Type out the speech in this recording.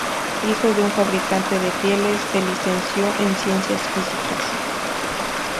Hijo de un fabricante de pieles, se licenció en Ciencias físicas.